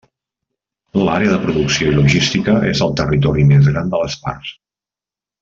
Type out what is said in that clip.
L'àrea de producció i logística és el territori més gran de les parts.